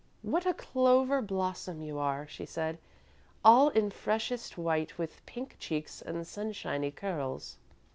"What a clover blossom you are," she said, "all in freshest white, with pink cheeks and sunshiny curls!"